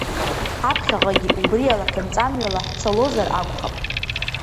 Ҳаԥхьаҟагьы убри алахьынҵамҩала ҳцалозар акәхап.